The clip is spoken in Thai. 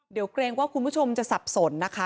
เดี๋ยวเกรงว่าคุณผู้ชมจะสับสนนะคะ